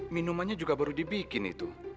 minumannya juga baru dibikin itu